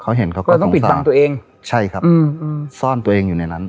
เขาเห็นเขาก็เลยต้องปิดบังตัวเองใช่ครับอืมซ่อนตัวเองอยู่ในนั้น